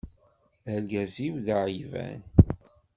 Argaz-iw d aɛiban.